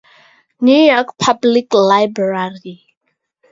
New York Public Library.